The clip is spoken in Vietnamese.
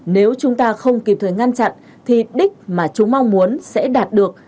nếu chúng ta không kịp thời ngăn chặn thì đích mà chúng mong muốn sẽ đạt được